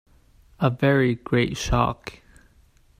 A very great shock.